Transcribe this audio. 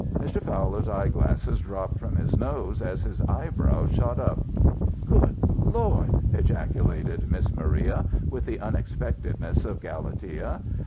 Mr. Fowl's eyeglasses dropped from his nose as his eyebrows shot up. "Good Lord!" ejaculated Miss Maria with all the unexpectedness of Galatea.